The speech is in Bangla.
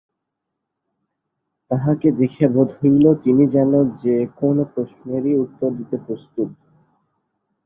তাঁহাকে দেখিয়া বোধ হইল, তিনি যেন যে-কোন প্রশ্নেরই উত্তর দিতে প্রস্তুত।